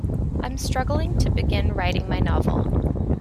I'm struggling to begin writing my novel.